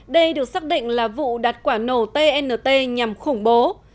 đây được xác định là vụ đặt quả nổ tnt nhằm khủng bố